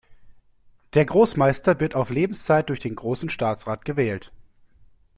Der Großmeister wird auf Lebenszeit durch den Großen Staatsrat gewählt.